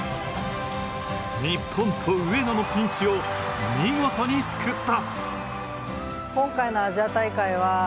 日本と上野のピンチをみごとに救った。